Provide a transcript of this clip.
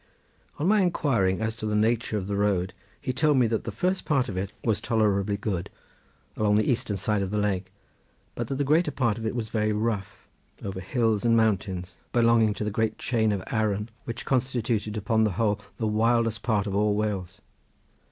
On my inquiring as to the nature of the road he told me that the first part of it was tolerably good, lying along the eastern side of the lake, but that the greater part of it was very rough, over hills and mountains belonging to the great chain of Arran, which constituted upon the whole the wildest part of all Wales.